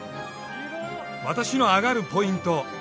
私のアガるポイント。